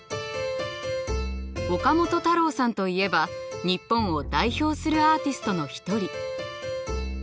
岡本太郎さんといえば日本を代表するアーティストの一人。